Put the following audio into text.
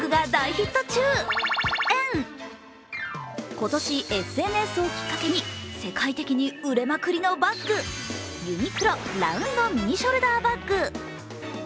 今年、ＳＮＳをきっかけに世界的に売れまくりのバッグ、ユニクロ、ラウンドミニショルダーバッグ。